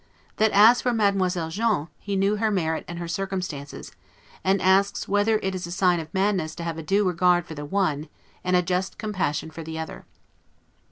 That as for Mademoiselle John, he knew her merit and her circumstances; and asks, whether it is a sign of madness to have a due regard for the one, and a just compassion for the other.